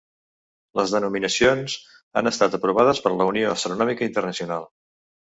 Les denominacions han estat aprovades per la Unió Astronòmica Internacional.